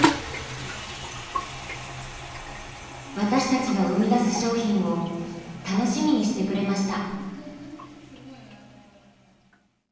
私たちが生み出す商品を楽しみにしてくれました。